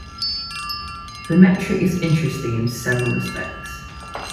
The metric is interesting in several respects.